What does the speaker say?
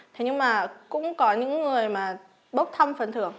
thế nhưng mà cũng có những người mà bốc thăm phần thưởng